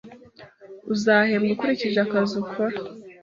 Uzahembwa ukurikije akazi ukora